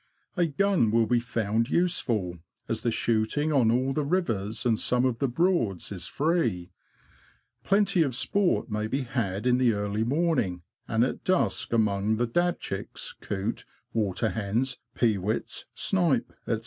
A gun will be found useful, as the shooting on all the rivers, and some of the Broads, is free. Plenty of sport may be had in the early morning and at dusk among the dabchicks, coot, waterhens, pewits, snipe, &c.